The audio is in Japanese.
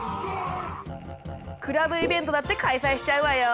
クラブイベントだって開催しちゃうわよ。